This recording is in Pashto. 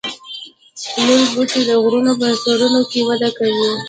لوړ بوټي د غرونو په سرونو کې وده کوي